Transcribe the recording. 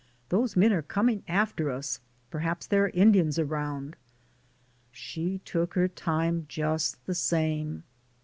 "Those men are coming after us, perhaps there are Indians around." She took her time, just the same.